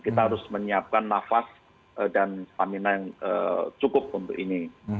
kita harus menyiapkan nafas dan stamina yang cukup untuk ini